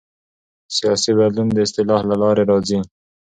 سیاسي بدلون د اصلاح له لارې راځي